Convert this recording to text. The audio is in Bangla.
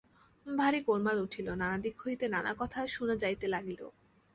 ভারি গোলমাল উঠিল, নানা দিক হইতে নানা কথা শুনা যাইতে লাগিল।